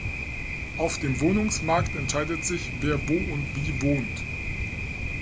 Auf dem Wohnungsmarkt entscheidet sich, wer wo und wie wohnt.